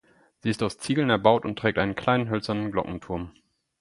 Sie ist aus Ziegeln erbaut und trägt einen kleinen hölzernen Glockenturm.